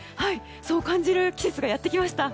そう感じる季節がやってきました。